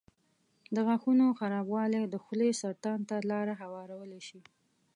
د غاښونو خرابوالی د خولې سرطان ته لاره هوارولی شي.